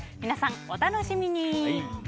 皆さん、お楽しみに。